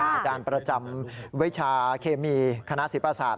อาจารย์ประจำวิชาเคมีคณะศิลปศาสต